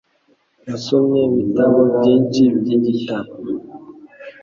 Yasomye ibitabo byinshi byigitabo.